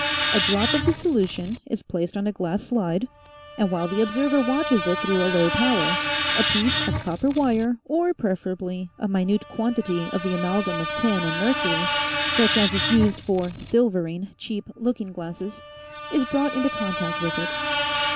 A drop of the solution is placed on a glass slide and while the observer watches it through a low power, a piece of copper wire or, preferably, a minute quantity of the amalgam of tin and mercury, such' as is used for " silvering " cheap looking glasses, is brought into contact with it.